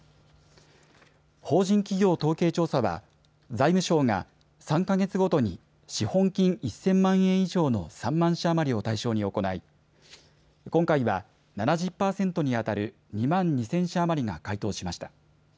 法人企業統計調査は財務省が３か月ごとに資本金１０００万円以上の３万社余りを対象に行い今回は７０％にあたる２万２０００社余りが回答しました。